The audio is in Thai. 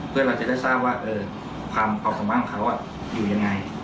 เพื่อเราจะได้ทราบว่าความสามารถของเขาอยู่ยังไง